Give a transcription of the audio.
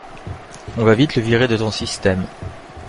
On va vite le virer de ton système.